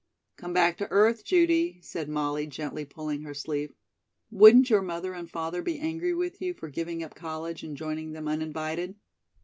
"Come back to earth, Judy," said Molly, gently pulling her sleeve. "Wouldn't your mother and father be angry with you for giving up college and joining them uninvited?"